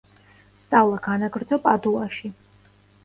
სწავლა განაგრძო პადუაში.